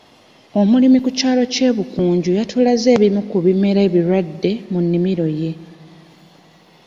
Omulimi ku kyalo ky'e Bukujju yatulaze ebimu ku bimera ebirwadde mu nnimiro ye.